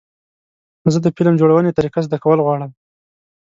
زه د فلم جوړونې طریقه زده کول غواړم.